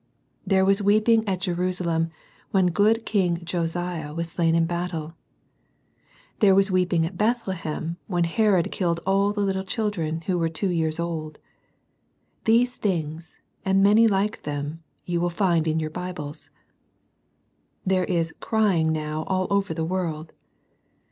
There was weeping at Jerusalem when good king Jo siah was slain in battle. There was weeping at Bethlehem when Herod killed all the little children who were two years old. These things, and many like them, you will find in your Bibles. There is "crying" now all over the world.